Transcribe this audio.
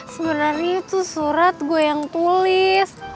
sebenarnya itu surat gue yang tulis